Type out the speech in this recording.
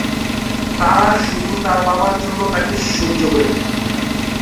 তারা শুধু তার বাবার জন্য, তাকে সহ্য করে।